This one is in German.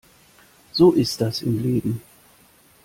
So ist das im Leben.